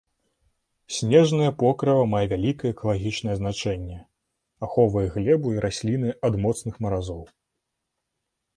Снежнае покрыва мае вяліка экалагічнае значэнне, ахоўвае глебу і расліны ад моцных маразоў.